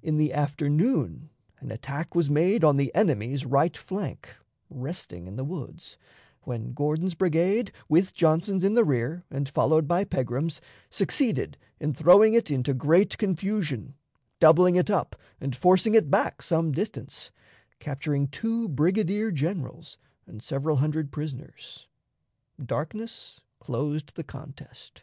In the afternoon an attack was made on the enemy's right flank, resting in the woods, when Gordon's brigade, with Johnson's in the rear and followed by Pegram's, succeeded in throwing it into great confusion, doubling it up and forcing it back some distance, capturing two brigadier generals and several hundred prisoners. Darkness closed the contest.